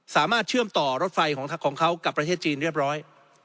เชื่อมต่อรถไฟของเขากับประเทศจีนเรียบร้อย